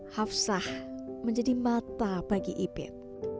hafsah menjadi mata bagi ipit